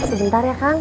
sebentar ya kang